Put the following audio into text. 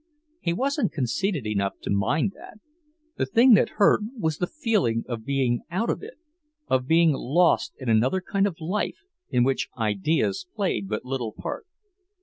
He wasn't conceited enough to mind that. The thing that hurt was the feeling of being out of it, of being lost in another kind of life in which ideas played but little part.